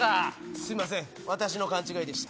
すいません私の勘違いでした。